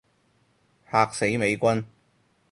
嚇死美軍